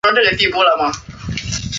长耳攀鼠属等之数种哺乳动物。